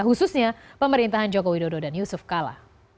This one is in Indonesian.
khususnya pemerintahan joko widodo dan yusuf kala